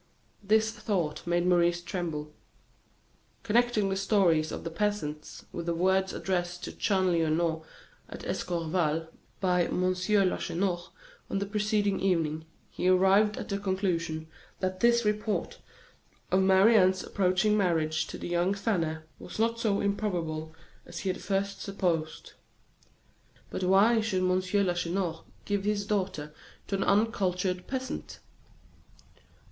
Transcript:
This thought made Maurice tremble. Connecting the stories of the peasants with the words addressed to Chanlouineau at Escorval by M. Lacheneur on the preceding evening, he arrived at the conclusion that this report of Marie Anne's approaching marriage to the young farmer was not so improbable as he had at first supposed. But why should M. Lacheneur give his daughter to an uncultured peasant?